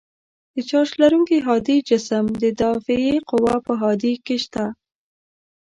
د چارج لرونکي هادي جسم د دافعې قوه په هادې کې شته.